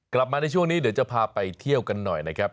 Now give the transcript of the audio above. กลับมาในช่วงนี้เดี๋ยวจะพาไปเที่ยวกันหน่อยนะครับ